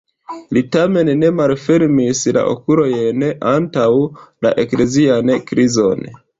Li tamen ne malfermis la okulojn antaŭ la eklezian krizon.